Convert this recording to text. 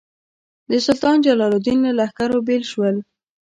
د سلطان جلال الدین له لښکرو بېل شول.